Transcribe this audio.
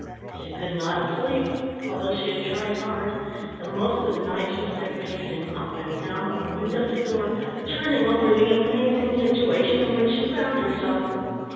She could not sleep, although she had tried hard, and most of the night she spent pacing up and down from window to door turning over the amazing situation in which she found herself.